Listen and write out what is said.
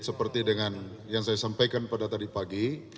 seperti dengan yang saya sampaikan pada tadi pagi